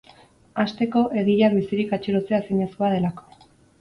Hasteko, egileak bizirik atxilotzea ezinezkoa delako.